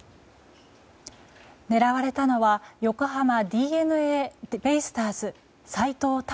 狙われたのは横浜ＤｅＮＡベイスターズ斎藤隆